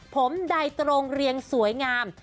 ผมใดตรงเรียงสวยงาม